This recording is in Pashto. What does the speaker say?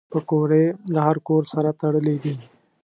پکورې له هر کور سره تړلي دي